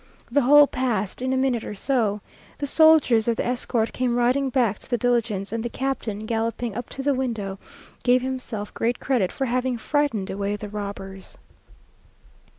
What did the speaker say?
The whole passed in a minute or two. The soldiers of the escort came riding back to the diligence; and the captain, galloping up to the window, gave himself great credit for having "frightened away the robbers."